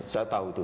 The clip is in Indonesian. saya tahu itu